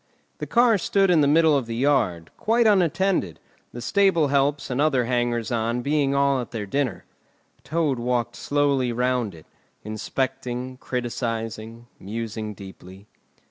The car stood in the middle of the yard, quite unattended, the stable helps and other hangers on being all at their dinner. Toad walked slowly round it, inspecting, criticising, musing deeply.